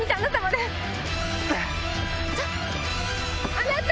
あなた！